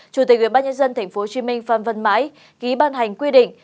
chủ tịch ủy ban nhân dân tp hcm phân vân máy ghi ban hành quy định